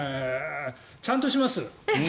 ちゃんとします。